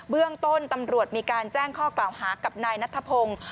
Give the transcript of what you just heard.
เรื่องต้นตำรวจมีการแจ้งข้อกล่าวหากับนายนัทพงศ์